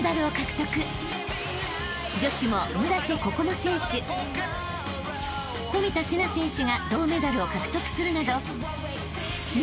［女子も村瀬心椛選手冨田せな選手が銅メダルを獲得するなど］